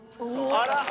あら。